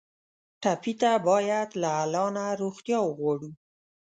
ټپي ته باید له الله نه روغتیا وغواړو.